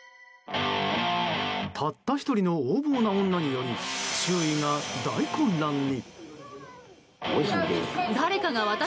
たった１人の横暴な女により周囲が大混乱に。